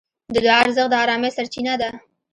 د دعا ارزښت د ارامۍ سرچینه ده.